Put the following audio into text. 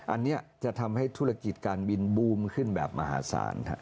อันนี้จะทำให้ธุรกิจการบินบูมขึ้นแบบมหาศาล